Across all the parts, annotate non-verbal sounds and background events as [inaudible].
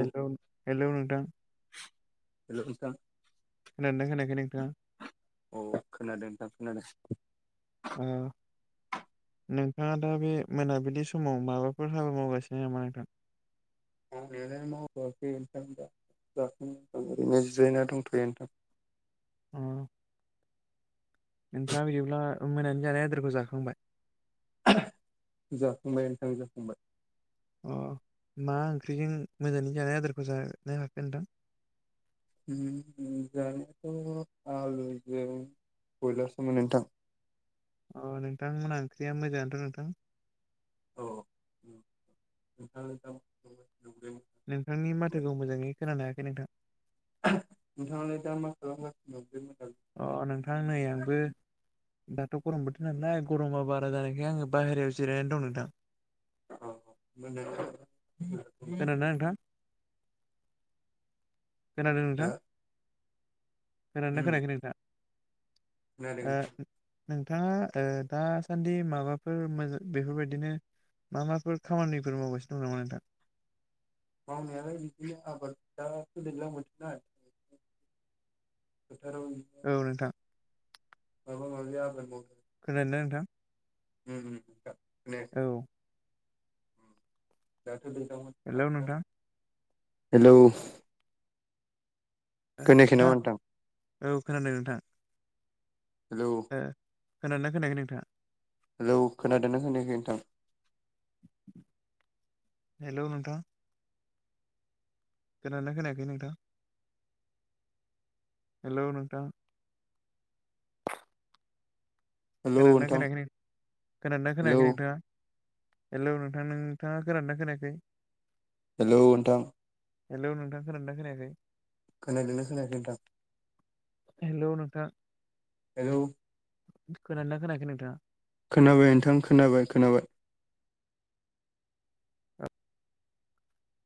औ हेलौ नोंथां। हेलौ नोंथां। खोनादों दां खोनायाखै नोंथाङा? औ खोनादों नोंथां खोनादों। आ नोंथाङा दा बे मोनाबिलि समाव माबाफोर हाबा मावगासिनो नामा नोंथां? [unintelligible] खामानि आलाय मावथआखै ओनथां दा। जाखांनासो दं ओरैनो जिरायना दंथ'यो नोंथां। आ नोंथाङा बिदिब्ला मोनानि जानाय आदारखौ जाखांबाय? जाखांबाय नोंथां जाखांबाय। अ मा ओंख्रिजों मोनानि जानाय आदारखौ जानो हाखो नोंथां? उम उम जाहाथ' आलुजों बयलारसोमोन नोंथां। अ नोंथांमोनहा ओंख्रिया मोजाङानथ' नोंथां। औ नोंथां नोंथां नोंथांनि माथोखौ मोजाङै खोनानो हायाखै नोंथां। नोंथांआलाय दा मा खालामगासिनो [unintelligible] अ नोंथां नै आंबो दाथ' गरम बोथोर नालाय गरमा बारा जानायखाय आङो बाहेरायाव जिरायनानै दं नोंथां। खोनादोंना नोंथां? [unintelligible] खोनादों नोंथां खोनादोंना खोनायाखै नोंथाङा खोनादों नों नोंथाङा ओ दासान्दि माबाफोर मोज बेफोरबायदिनो मा माफोर खामानिफोर मावगासिनो दं नामा नोंथां मावनायालाय बिदिनो आबादा दैलां बोथोरना [inaudible] औ नोंथां माबा माबि आबाद मावदों। खोनादोंना नोंथां। होम होम नोंथां। खोनायाखै औ उम दाथ' दैज्लां बोथोर ना हेलौ नोंथां। हेलौ' खोनायाखै नामा नोंथां। औ खोनादों नोंथां। हेलौ' खोनागोना खोनायाखै नोंथाङा। हेलौ' खोनादोंना खोनायाखै नोंथां। हेलौ' नोंथां। खोनागोना खोनायाखै नोंथां। हेलौ'नोथां। हेलौ खोनागोना नोंथां खोनायाखै नो खोनागोना हेलौ खोनायाखै नोंथाङा। हेलौ' नोंथां नोंथाङा खोनागोना खोनायाखै। हेलौ' नोंथां। हेलौ' नोंथां खोनादोंना खोनायाखै। खोनादों ना खोनायाखै नोंथां। हेलौ' नोंथां। हेलौ' खोनादोंना खोनायाखै नोंथाङा। खोनाबाय नोंथां खोनाबाय खोनाबाय।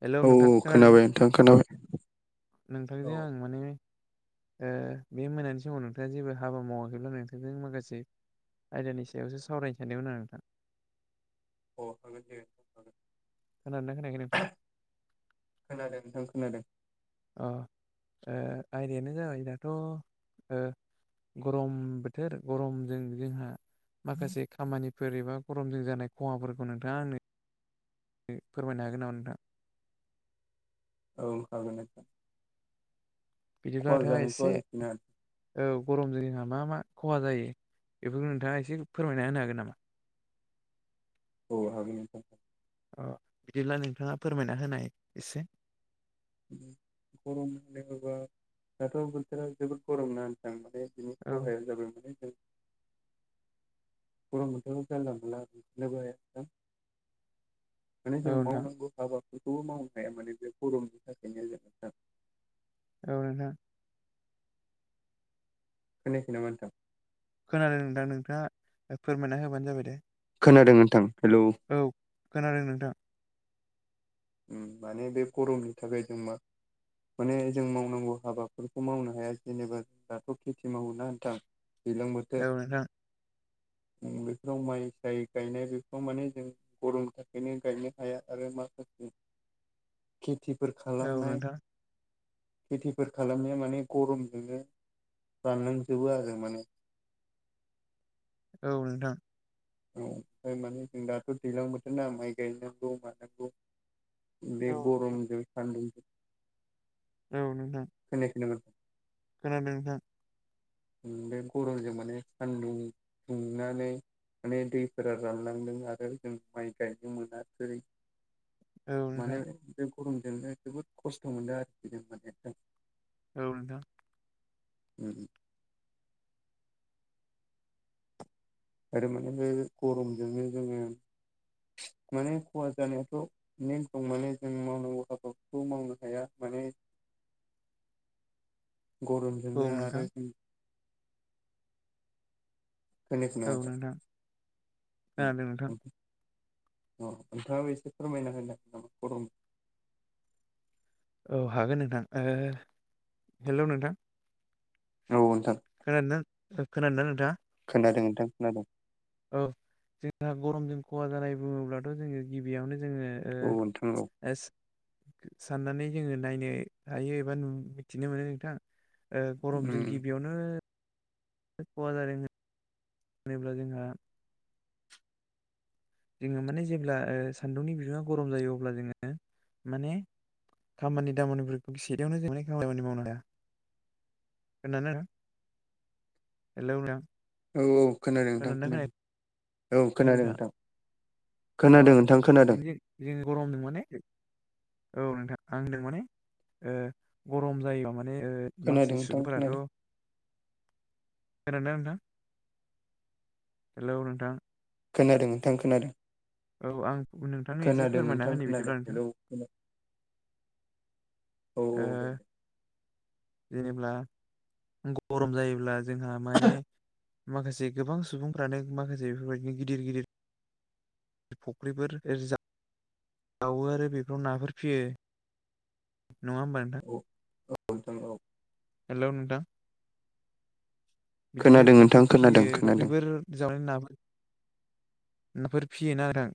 हेलौ' औ औ नोंथां खोनादों खोनाबाय नोंथां खोनाबाय नोंथांजों औ आं माने ओ बे मोनानि समाव नोंथाङा जेबो हाबा मावाखैब्ला नोंथांजों माखासे आयदानि सायावसो सावरायनो सान्दोंमोन आरो नोंथां। अ' हागोनदे [unintelligible] खोनादोंना खोनायाखै नोंथाङा। खोनादों नोंथां खोनादों। अ' ओ आयदायानो जाबाय दाथ' ओ गरम बोथोर गरमजों जोंहा माखासे खामानिफोर एबा गरमजों जानाय खहाफोरखौ नोंथाङा आंनो ओ फोरमायनो हागोन नामा नोंथां। औ हागोन नोंथां। बिदिब्ला खहा नोंथाङा जानायखौ एसे आरोखि ना औ गरमजों जोंहा मा मा खहा जायो बेफोरखौ नोंथाङा एसे फोरमायना होनो हागोन नामा? औ हागोन नोंथां। अ' बिदिब्ला नोंथाङा फोरमायना होनाय एसे गरम होनोबा दाथ' बोथोरा जोबोद गरम ना नोंथां। बे बिनि औ खहाया जाबाय माने जों गरम बोथोराव जानला मोनला [unintelligible] माने जों नोंथां मावनांगौ हाबा। बेखौबो मावनो हाया माने बे गरमनि थाखायनो जों नोंथां। औ नोंथां। खोनायाखै नामा नोंथां? खोनादों नोंथां नोंथाङा फोरमायना होबानो जाबाय दे। खोनादों नोंथां। हेलौ औ खोनादों नोंथां। माने बे गरमनि थाखाय जों मा माने जों मावनांगौ हाबाफोरखौ मावनो हाया जेनेबा दाथ' खेथि मावोना नोंथां। दैज्लां औ बोथोर। नोंथां बेफोराव माइ साय गायनाय बेफोराव माने जों गरमनि थाखायनो गायनो हाया आरो माखासे। खेथिफोर औ खालामनाय। नोंथां खेथिफोर खालामनाया माने गरमजोंनो। रानलांजोबो आरो माने। औ नोंथां। औ ओमफ्राय माने जों दाथ' दैलां बोथोर ना माइ गायनांगौ मानांगौ। बे औ गरमजों सान्दुंजों। औ नोंथां। खोनायाखै नामा नोंथां? खोनादों नोंथां। बे गरमजों माने सान्दुं दुंनानै। माने दैफोरा रानलांदों आरो जों माइ गायनो मोना जेरै औ नोंथां माने बे गरमजोंनो जोबोद खस्थ' मोनदों आरोखि जों माने एकदम। औ नोंथां। उम आरोमाने बे गरमजोंनो जोङो। माने खहा जानायाथ' नेम दं माने जों मावनांगौ हाबाखौ मावनो हाया। माने गरमजोंनो आरो। जेने थेने औ नोंथां औ नोंथां खोनादों नोंथां [unintelligible] अ नोंथाङाबो एसे फोरमायना होनागोन नामा गरमखौ। औ हागोन नोंथां हेल' नोंथां। औ नोंथां। खोनादों ना खोनादोंना नोंथाङा? खोनादों नोंथां खोनादों। औ जोंहा गरमजों खहा जानाय बुङोब्लाथ' जोङो गिबियावनो। जोङो औ नोंथां औ साननानै जोङो नायनो हायो एबा मिथिनो मोनो नोंथां। गरमजों उम गिबियावनो। खहा जादों होनोब्ला जोंहा। जोङो माने जेब्ला सान्दुंनि बिबाङा गरम जायो अब्ला जोङो माने। खामानि दामानिफोरखौ सेदियावनो जों खामानि मावनो हाया। खोनादों ना नोंथां हेलौ औ औ खोनादों नोंथां खोनादोंना खोनादों खोनायाखै औ खोनादों नोंथां। औ खोनादों नोंथां खोनादों बिदिनो जों जों गरमनो माने। औ नोंथां आं होनदों माने गरम जायोबा माने। माने मानसि सुबुंफोराथ'। खोनादों ना नोंथां हेल' नोंथां खोनादों नोंथां खोनादों। औ आं नोंथांनो एसे खोनादों फोरमायना नोंथां होनो बिदिब्ला नोंथां खोनादों। औ। ओ जेनेब्ला गरम जायोब्ला जोंहा माने। माखासे गोबां सुबुंफ्रानो माखासे बेफोरबायदिनो गिदिर गिदिर। फुख्रिफोर जा वो आरो बेफोराव नाफोर फियो नङा होमबा नोंथां? औ [unintelligible] हेल' नोंथां। बिदिनो खोनादों फुख्रि नोंथां फियो खोनादों खोनादों फुख्रिफोर जावनाय नाफोर। नाफोर फियोन आरो आं।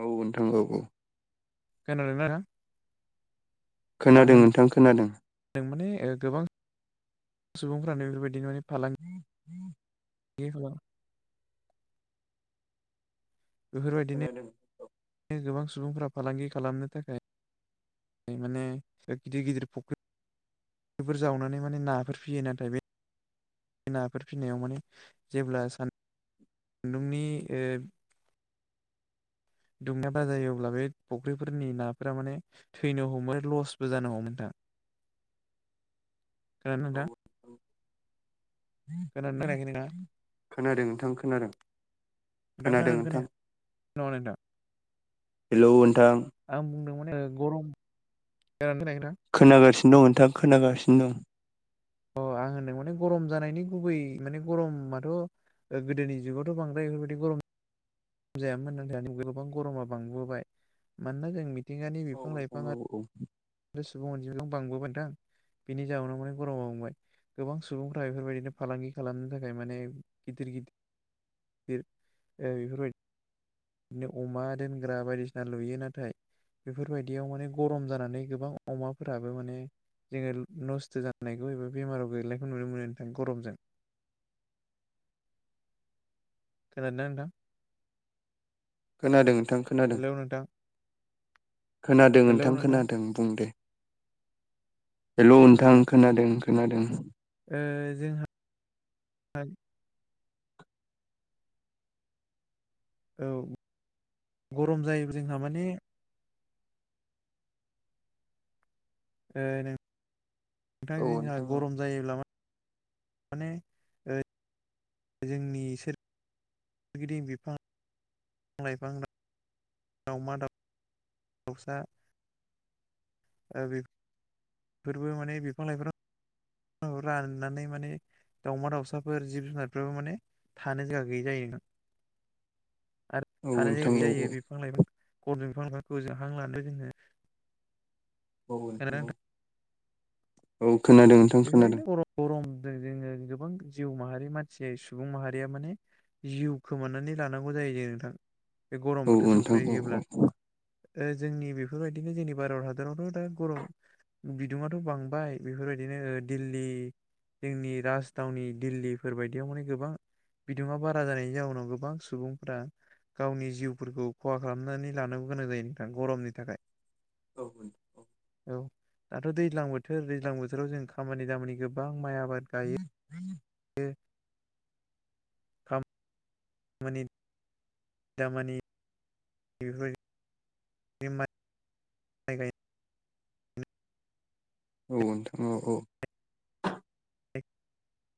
औ नोंथां औ औ। खोनादों ना आदा? खोनादों नोंथां खोनादों। माने ओ गोबां सुबुंफ्रानो बेफोरबायदि माने फालांगि [unintelligible] [unintelligible] बेफोर बायदिनो खोनादों औ गोबां सुबुंफ्रा फालांगि खालामनो थाखाय माने गिदिर गिदिर फख्रि। फोर जावनानै माने नाफोर फियो नाथाय बे नाफोर फिसिनायाव माने जेब्ला सान बै ओ दुंनाय बाराायोब्ला बे फुख्रिफोरनि नाफोरा माने थैनो हमो लसबो जानो हमो नोंथां। [inaudible] खोनादों ना नोंथां? औ खोनादोंना खोनायाखै नोंथाङा खोनादों नोंथां खोनादों। नोंथां खोनादों ना खोनायाखै खोनादों नोंथां। हेलौ नोंथां। आं बुंदों गरम खोनादों ना खोनायाखै नोंथां? दं खोनागासिनो नोंथां खोनागासिनो दं। अ आं होनदों माने गरम जानायनि गुबै माने गरम माथ'। गोदोनि जुगावथ' बांद्राय बेफोरबायदि गरम जायामोननो दानि गोबां गरमा बांबोबाय मानोना जों मिथिंगानि औ बिफां नोंथां औ लाइफाङा औ [unintelligible] सुबुं अनजिमायाबो बांबोबाय नोंथां। बेनि जाउनाव माने गरमा बांबाय। गोबां सुबुंफ्रा बेफोरबायदिनो फालांगि खालामनो थाखाय माने गिदिर गि दिर ओ बिफोरबाय [inaudible] बिदिनो अमा दोनग्रा बायदिसिना लुयो नाथाय। बेफोरबायदियाव माने गरम जानानै गोबां अमाफोराबो माने। जोङो नस्थ' जानायखौ एबा बेमाराव गैलैनायखौ नुनो मोनो नोंथां गरमजों [inaudible] खोनादोना नोंथां। खोनादों। खोनादों हेल' नोंथां। खोनादों नोंथां खोनादों बुं दे। हेल' नोंथां खोनादों खोनादों। ओ जोंहा औ गरम जायो जोंहा माने। ओ नोंथां औ जोंहा नोंथां औ गरम जायोब्ला मा माने। ओ जोंनि सोरगिदिं बिफां [unintelligible] लाइफां दाउमा दाउ [unintelligible] दाउसा ओ बे फोरबो माने बिफां लाइफां राननानै माने [unintelligible] दाउमा दाउसाफोर जिब जुनारफोराबो माने थानो जायगा गैयि जायो नोंथां [inaudible] आरो औ थानो जायगा नोंथां गैयै औ जायो बिफां लाइफां ग बिफां लाइफांखौ जों हां लानो जोङो [unintelligible] औ खोनादोना औ नोंथां [unintelligible] औ खोनादों नोंथां खोनादों। बेफोरबायदिनो गरम जोङो गोबां जिउ माहारि मानसिया सुबुं माहारिया माने जिउ खोमानानै लानांगौ जायो जे नोंथां बे औ गरम बोथोर नोंथां औ सफैयोब्ला। जोंनि बेफोरबायदिनो जोंनि भारत हादरावथ' दा गरम बिदुुङाथ' बांबाय बेफोर बायदिनो दिल्ली जोंनि राजथावनि दिल्लीफोर बायदियाव माने गोबां बिदुङा बारा जानायनि जाउनाव गोबां सुबुंफोरा गावनि जिउफोरखौ खहा खालामनानै लानांगौ गोनां जायो नोंथां गरमनि थाखाय। औ औ औ दाथ' दैज्लां बोथोर दैज्लां बोथोराव जों खामानि दामानि गोबां माइ आबाद गायो। औ मानि दामानि बेफोर [unintelligible] [unintelligible] औ नोंथां औ औ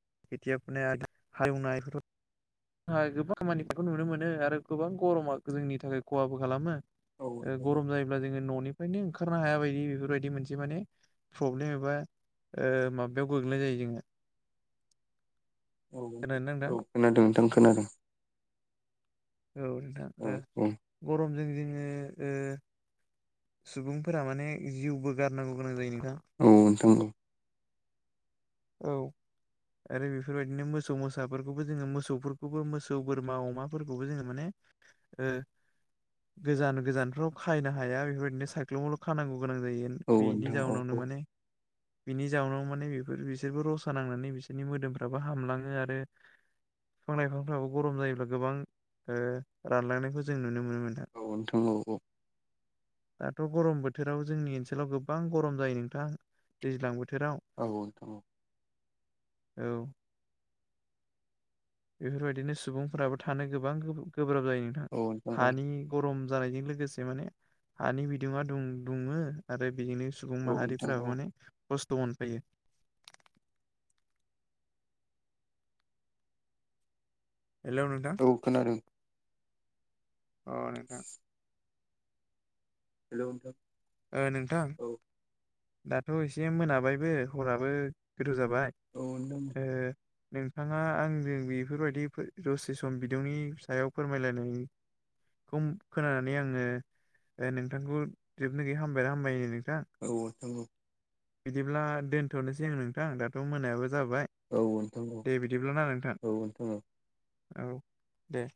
[unintelligible] हाय गोबां खामानिफोरखौ नुनो मोनो आरो गोबां गरमा जोंनि थाखाय खहाबो खालामो। औ ओ गरम जायोब्ला जोङो न'नि फ्रायनो ओंखारनो हाया बायदि बेफोरबायदि मोनसे माने प्रब्लेम एबा ओ माबायाव गोग्लैनाय जायो जोङो। औ खोनादोंना नोंथां? औ खोनादों नोंथां खोनादों। औ नोंथां औ ओ औ गरमजों जोङो ओ सुबुंफोरा माने जिउबो गारनांगौ गोनां जायो। नोंथां। औ ओनथां औ औ आरो बेफोर बायदिनो मोसौ मोसाफोरखौबो जोङो मोसौफोरखौबो मोसौ बोरमा अमाफोरखौबो जोङो माने ओ गोजान गोजानफ्राव खाहनो हाया बेफोरदिनो साइख्लुमावल' खानांगौ गोनां जायो औ बिनि नोंथां औ जाउनावनो माने बिनि जाउनावनो माने बिफोर बिसोर बिसोरबो रसा नांनानै बिसोरनि मोदोमफ्राबो हामलाङो आरो बिफां लाइफांफ्राबो गरम जायोब्ला गोबां ओ रानलांनायखौ जों नुनो मोनो। औ नोंथां औ औ दाथ' गरम बोथोराव जोंनि ओनसोलाव गोबां गरम जायो नोंथां दैज्लां बोथोर औ नोंथां औ औ बेफोर बायदिनो सुबुंफोराबो थानो गोबां गोब्राब जायो नोंथां औ औ हानि गरम जानायजों लोगोसे माने हानि बिदुङा दुं-दुङो नाथाय बिजोंनो सुबुं नोंथां औ माहारिफ्राबो माने खस्थ' मोनफायो। हेल' नोथां। औ खोनादों अ नोंथां। हेल' नोंथां ओ नोंथां औ दाथ' एसे मोनाबायबो हराबो [unintelligible] जाबाय औ नोंथां ओ नोंथाङा आंजों बेफोर बायदि दसे सम बिदुंनि सायाव फोरमायलायनायनि बिबुं खोनानानै आङो औ नोंथांखौ जोबनो गैयि हामबायना हामबाय नो औ ओ नोंथां औ। बिदिब्ला दोनथ'नोसै आं नोंथां दाथ' मोनायाबो जा जाबाय औ नोंथां औ दे बिदिब्ला ना नोंथां। औ औ औ दे।